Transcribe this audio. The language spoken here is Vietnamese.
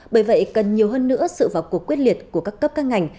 bởi vậy cần nhiều hơn nữa sự vào cuộc quyết liệt của các cấp các ngành